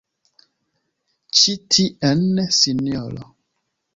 Ĉi tien, sinjoro!